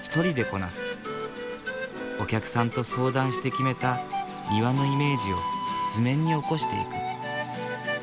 お客さんと相談して決めた庭のイメージを図面に起こしていく。